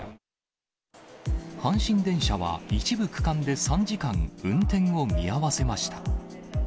阪神電車は一部区間で３時間、運転を見合わせました。